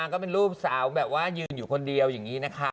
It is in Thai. ก็เป็นรูปสาวแบบว่ายืนอยู่คนเดียวอย่างนี้นะคะ